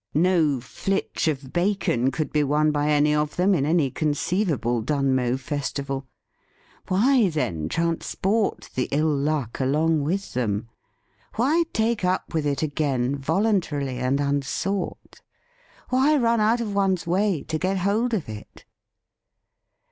No flitch of bacon could be won by any of them in any con ceivable Dunmow festival. Why, then, transport the ill luck along with them P Why take up with it again voluntarily and unsought ? Why run out of one's way to get hold of it?